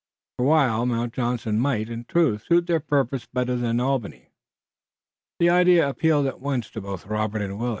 For a while, Mount Johnson might, in truth, suit their purpose better than Albany. The idea appealed at once to both Robert and Willet.